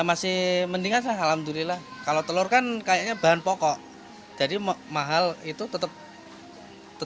masih mendingan alhamdulillah kalau telur kan kayaknya bahan pokok jadi mahal itu tetap